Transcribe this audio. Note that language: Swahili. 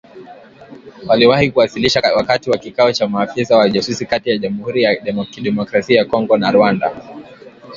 Waliwahi kuwasilishwa wakati wa kikao cha maafisa wa ujasusi kati ya Jamhuri ya Kidemokrasia ya Kongo na Rwanda.